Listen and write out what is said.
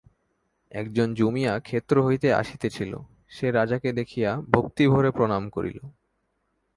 একজন জুমিয়া ক্ষেত্র হইতে আসিতেছিল, সে রাজাকে দেখিয়া ভক্তিভরে প্রণাম করিল।